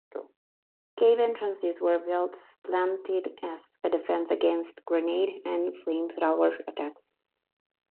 Cave entrances were built slanted as a defense against grenade and flamethrower attacks.